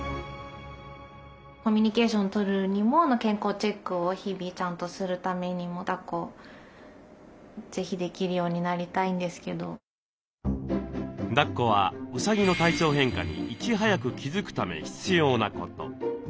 コミュニケーションとるにも健康チェックを日々ちゃんとするためにもだっこはうさぎの体調変化にいち早く気付くため必要なこと。